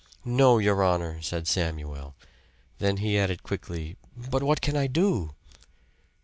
"No, your honor," said Samuel. Then he added quickly. "But what can I do?"